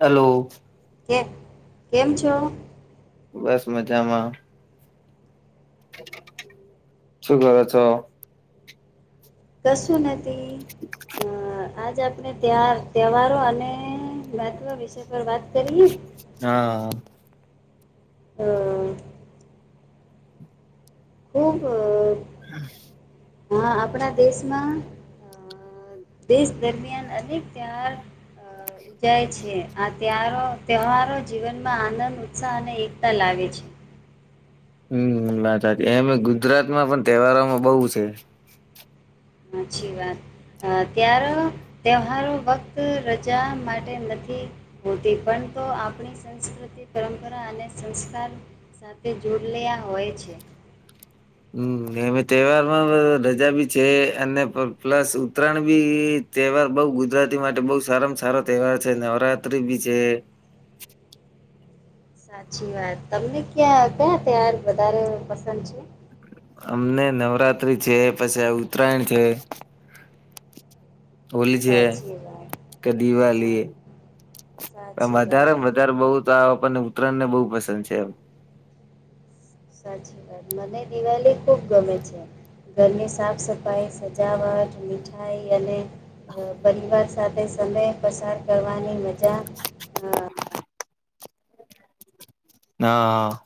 Hello. કે કેમ છો. બસ મજામાં. શું કરો છો? કસુું નથી. અ આજ આપણે ત તહેવારો અને [inaudible] વિષય પર વાત કરીએ. હા. [unintelligible] ખુબ હા આપણા દેશમાં અ દેશ દરમિયાન અનેક ત્યવહાર જાય છે આ તેવારો તહેવારો જીવનમાં આનંદ ઉત્સાહ અને એકતા લાવે છે. હમ વાત સાચી એમ ગુજરાતમાં પણ તહેવારોમાં બોવ છે. હાચી વાત. ત્યાર તહેવારો ફક્ત રજા માટે નથી. હોતી પણ તો આપણી સંસ્કૃતિ પરંપરા અને સંસ્કાર સાથે જોડલયા હોય છે. હમ એમે તહેવારમાં રજાબી છે અને પ્લસ ઉત્તરાયણ બી તહેવાર બોવ ગુજરાતી માટે બહુ સારામાં સારો તહેવાર છે નવરાત્રીબી છે. સાચી વાત તમને ક્યાં કયા તહેવાાર વધારે પસંદ છે? અમને નવરાત્રી છે પછી ઉત્તરાયણ છે. હોલી છે સાચી વાત કે અ, દિવાલી સાચી વાત વધારે વધારે બહ તો આપણને ઉત્તરાયણને બહુ પસંદ છે એમ. સાચી વાત મને દિવાળી ખૂબ ગમે છે. ઘરની સાફ સફાઈ સજાવટ મિઠાઈ અને પરિવાર સાથે સમય પસાર કરવાની મજા અ, હા.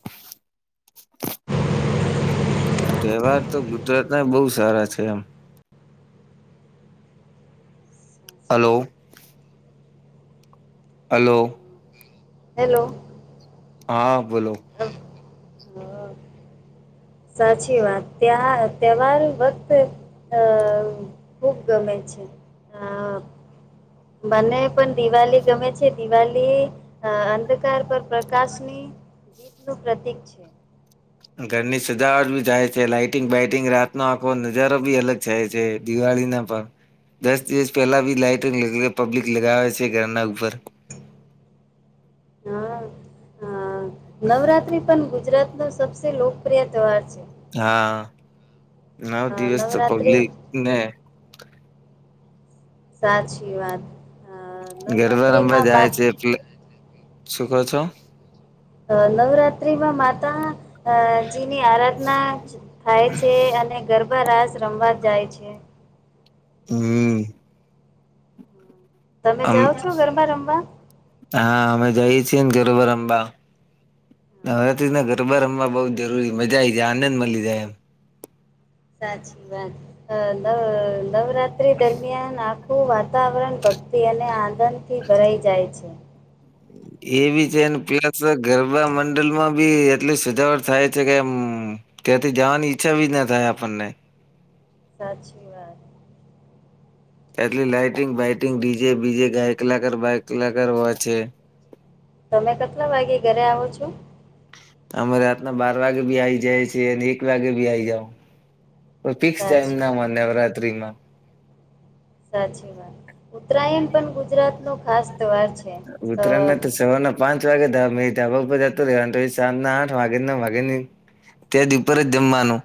તહેવાર તો ગુજરાત ના બહુ સારા છે એમ. હલો. હલો. હેલો. હા બોલો. હ હા. સાચી વાત ત્યા તહેવાર વક્ત અ ખુબ ગમે છે હ મને પણ દિવાળી ગમે છે દિવાળી અંધ વિસ્તાર પર પ્રકાશની જીતનુંું પ્રતિક છે ઘરની સજાવટ બી જાય છે લાાઈટિંગ બાઈટિંગ રાતનોો આંખો નજારો બી અલગ થાય છે દિવાળી ના પણ દસ દિવસ પહેલા બી લાાઈટંગ લગ પબ્લિક લગાવે છે ઘરના ઉપર હા હ નવરાત્ર્રી પણ ગુજરાત ન સબસે લોકપ્રિય તહેવાર છે હા નવ અ દિવસ તો નવરાત્રિ પબ્લિક ને સાચી વાત અ ગરબા રંબા નવરાત્રિમાં જાય મા છે એલે શું કહો છો અ નવરાત્રિ માં માતા અ જીની આરાધના થાય છે અને ગરભા રાસ રમવા જાય છે હમ તમે અમ જાઓ છો ગરબા રમવા હા અમે જઈએ છીએ ને ગરબર અંબા નવરાત્રી ના ગરબા રમવા બઉ જરૂરી મજા આ આવી જાય આનંદ મળી જાય એમ સાચી વાત નવ નવરાત્રી દરમિયાન આપ આખું વાતાવરણ ભક્તિ અને આનંદથી ભરાઈ જાય છે એ બી છેને પ્લસ ગરબા મંડલમાં બી એટલી સજાવટ થાય છે કે એમ ત્યાંથી જવાની ઈચ્છા બી ના થાય આપણને સાચી વાત એટલી લઇટિંગ બાઇટિંગ ડીજે બીજે ગાય કલાક બાયકલાક હોય છે તમે કેટલા વાગે ઘરે આવો છો અમે રાતના બાર વાગે બી આવી જાય છે અને એક વાગે બી આવી જાઓ ફિક્સ ટાઈમ સાચી ના વાત. માને નવરાત્રી માં સાચી વાત ઉત્તરાયણ પણ ગુજરાત ન ખાસ તહેવાર છે. અ ઉતરા ના તો સવન પાંચ વાગે ધ મે ધાબ જ કારણ સાજના આઠ વાગ્યા ના વાગે ની ત્યાથી ઉપર જમવાનું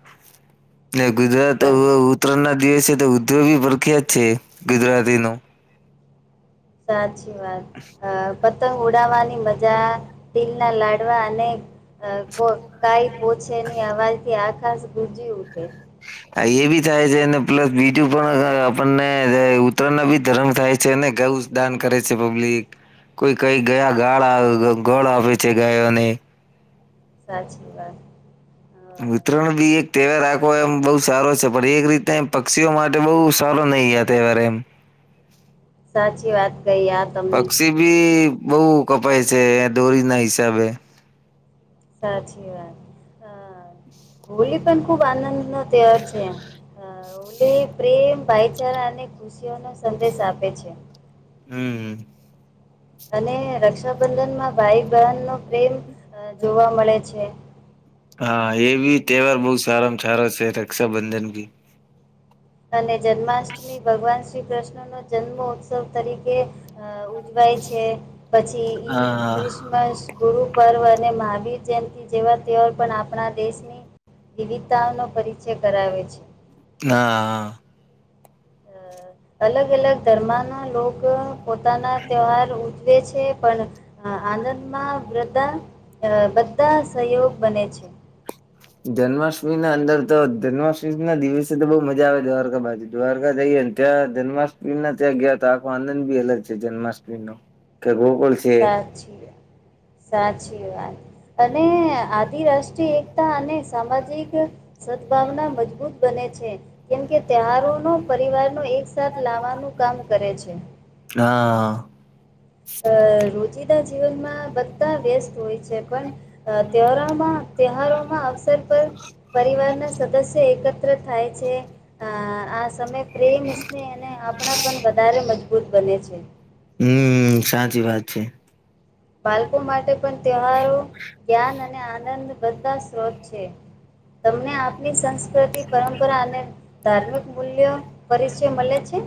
એટ ગુજરાત સા- ઉત્તરાયણ ના દિવસે તો ઉધ્યોગ બી પરખ્યા જ છે ગુજરાતી ન સાચી વાત અ પતંગ ઉડાવવાની મજા તીલ ના લાડવા અને કો કઈ પોછે ની અવાજ થી આખાસ ગૂજી ઉઠે એ બી થાય છે અને પ્લસ બીજું પણ આપણને ઉત્તરાયણ ના બી ધરમ થાય છે અને ગ દાન કરે છે પબ્લિક કોઈ કઈ ગયા ગાળ ગોળ આપે છે ગાયોને સાચ શ્રી વાત અ ઉતરાણ બી એક તહેવાર રાખો એમ બહુ સારો છે પણ એક રીતે પક્ષીઓ માટે બહુ સારો નહીિ યાદ અવા સાચી વાત કઈ આ તમને પક્ષી બી બહુ કપાય છે દોરી ના હિસાબે સાચી વાત હ હોલી પણ ખુબ આનંદ નો તહેવાર છે ઓલી પ્રેમ ભાઈચારા અને ખુશીઓ નો સંદેશ આપે છે હમ અને રક્ષાબંધનમાં ભાઈ બહેન નો પ્રેમ જોવા મળે છે હા એ ભી તહેવાર બહુ સારામાં સારો છે રક્ષાબંધન ભી અને જન્માષ્ટમી ભગવાન શ્રી કૃષ્ણ નો જન્મ ઉત્સવ તરીકે અ ઉજવાય છે પછી ઈદ હા. ક્રિષણ મ ગુરુ પર્વ અને મહાવીર જયંતિ જેવા તેવાર પણ આપણા દેશની વિવિધતાઓ નો પરિચય કરાવે છે. ના અ અલગ અલગ ધર્મ ના લો પોતાના તહેવાર ઉજવે છે પણ આનંદમાં વૃદ્ધા બધા સહયોગ બને છે જન્માષ્ટમી ના અંદર તો જન્માષ્ટમી ના દિવસે તો બહુ મજા આવે દ્વારકા બાજુ દ્વારકા જઈએ ત્યાં જન્માષ્ટમી ના ત્યાં ગયા તો આખો આનંદ બી અલગ છે જન્માષ્ટમી નો કે ગોકુલ સાચી વાત સાચી વાત અને આદિ રાષ્ટ્રી એક. અને સામાજિક સદભાવના મજબૂત બને છે. કેમ કે તૈહેહારો નો પરિવારનોો એકસાથ લાવવાનું કામ કરે છે. હા. અ રોજિદા જીવનમાં બધા વ્યસ્ત હોય છે પણ ત્યોરામાં તહેહારોમાં અવસર પર. પરિવાર ના સદસ્ય એકત્ર થાય છે. અ આ સમય પ્રેમ સ્નેહ અને આપણા પણ વધારે મજબૂત બને છે. હમ સાચી વાત છે. બાળકો માટે પણ ત્યહારો જ્ઞાન અને આનંદ બધાસ સ્તોત છે તમને આ ની સંસ્કૃતિ પરંપરા અને ધાર્મિક મૂલ્યો પરિચય મળે છે.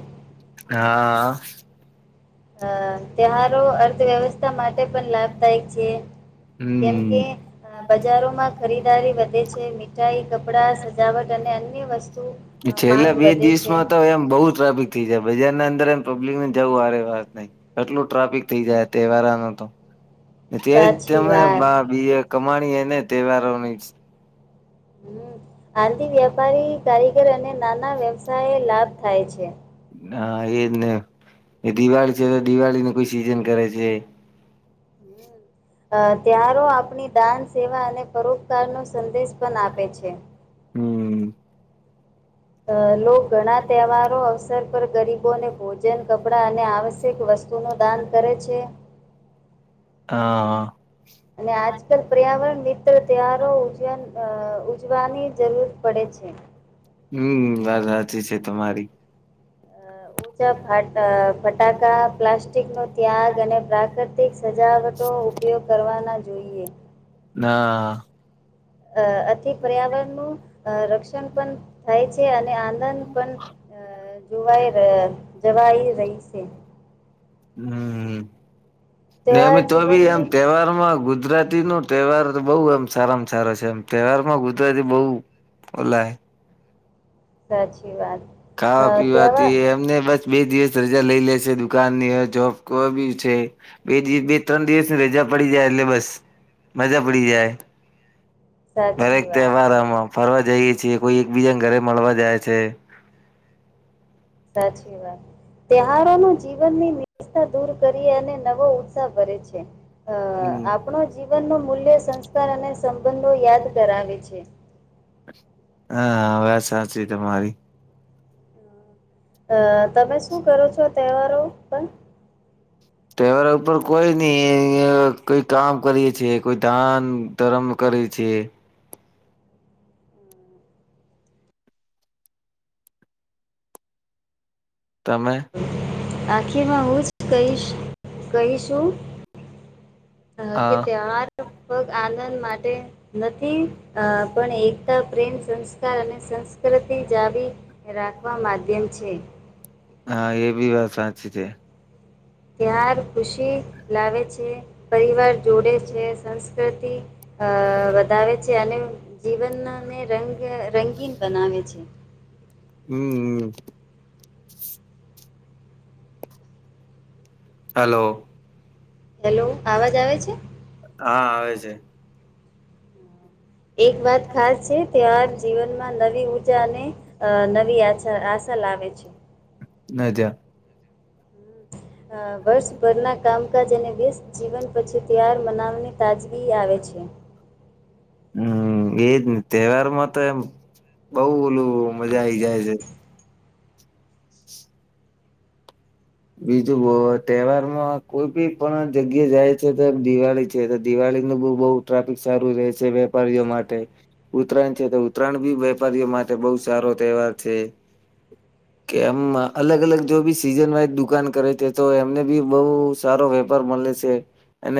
હા. અ ત્યહારો અર્થવ્યવસ્થા માટે પણ લાભદાયક છે. કેમ હમ કે બજારોમાં ખરીદારી વધે છે મીઠાઈ કપડા સજાવટ અને અન્ય વસ્તુ અ માંગ છેલ્લા બે વધે દિવસ છે માં તો એમ બહુ ટ્રાફિક થઈ જાય બજાર ના અંદર એમ પબ્લિક ને જવું હરે વાત નહી. કેટલું ટ્રાફિક થઇ જાય તહેવારા ન તો તેજ સાચી તને વાત બી એ કમાણી એ ને તહેવારોની હમ આંધી વ્યાપારી કારીગર અને નાના વ્યવસાય લાભ થાય છે. હા એજ ને એ દિવાળી છે દિવાળી ન કોઈ સિઝન કરે છે. હમ. અ ત્યાર આપણી દાન સેવા અને પરોપકાર નો સંદેશ પણ આપે છે. હમ. અ લો ઘણા તહેવારો અવસર પર ગરીબોને ભોજન કપડાં અને આવશ્યક વસ્તુ પુ નું દાન કરે છે. આ હ. અને આજકાલ પર્યાવરણ મિત્ર તહેવારો ઉજ ઉજવાની જરૂર પડે છે. હમ વાત સાચી છે તમારી ઉચા ફટાકા પ્લાસ્ટિક નો ત્યાગ અને પ્રાકૃતિક પ્રક સજાવટો ઉપયોગ કરવાના જોઈએ. ના. અ આથી પર્યાવરણનું રક્ષણ પણ થાય છે અને આનંદ પણ જોવાઈ જવાઈ રહી છે. હમ એમ તહેવાર તો ભી એમ જીવનની તહેવારમાં ગુજરાત ગુજરાતી નો તહેવાર બહુ એમ સારામાં સારો છે એમ તહેવાર માં ગુજરાતી બહુ ઓલાય સાચી વાત ખાવા અ પીવાથી તહેવાર એમને બસ બે દિવસ રજા લઈ લે છે દુકાન ની જોબ કો બી છે. બે દિવસ બે ત્રણ દિવસની રજા પડી જાય એટલે બસ મજા પડી જાય. દરેક સાચી વાત તહેવારમાં ફરવા જઈએ છીએ કોઈ એકબીજાને ઘરે મળવા જાય છે. સાચી વાત ત્યોહારો ન જીવનની નિશતા દૂર કરી અને નવો ઉત્સાહ ભરે છે. અ હમ્મ આપણો જીવન ન મૂલ્ય સંસ્કાર અને સંબંધો યાદ કરાવે છે. હા વાત સાચી તમારી અ તમે શું કરો છો તહેવારો પણ. ટવર ઉપર કોઈ નહી અ કોઈ કામ કરીએે છે કોઈ ધાન તરમ કરે છે. તમે આખીમાં હું જ કહીશ કહીશું હ કે હા તર પગ આનંદ માટે નથી અ પણ એકતા પ્રેમ સંસ્કાર અને સંસ્કૃતિ જ આવી રાખવા માધ્યમ છે. હા એ બી વાત સાચી છે. પ્યાર ખુશી લાવે છે, પરિવાર જોડે છે. સંસ્કૃતિ અ વધાવે છે અને જીવનને રંગ રંગીન બનાવે છે. હમ હમ. હલો. હેલો આવાજ આવે છે? હા આવે છે. એક વાત ખાસ છે. તો આ જીવનમાં નવી ઉર્જા અને નવી આછા આશા ચલાવે છે. [unintelligible] વર્ષભરના કામકાજ અને વીસ જીવન પછી તાર મનાવને તાજગી આવે છે. હમ એજ ને તહેવાર માં તો એમ બઉ ઓલું મજા આઈ જાય છે. બીજું તહેવાર માં કોઈ બી પણ જગ્યા જાય છે તો દિવાળી છે. તો દિવાળીનું બવ બવ ટ્રાફિક સારું રહે છે, વેપારીઓ માટે. ઉત્તરાયણ છે તો ઉત્તરાયણ બી વેપારીઓ માટે બહુ સારો તહેવાર છે. કે એમ અલગ-અલગ જો બી સીઝન વાઝ દુકાન કરે છે તો એમને બી બહુ સારો વેપાર મળે છે. અને